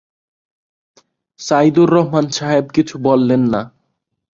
সাইদুর রহমান সাহেব কিছু বললেন না।